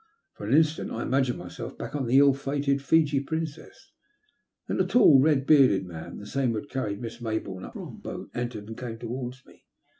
For an instant I imagined myself back again on the ill fated Fiji Princess. Then a tall, red beardod man — the same who had carried Miss Mayboume up from the boat — entered, and came towards me.